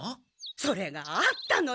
それがあったのよ！